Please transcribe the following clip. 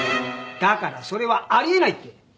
だからそれはあり得ないって！